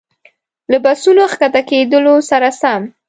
له بسونو ښکته کېدلو سره سم.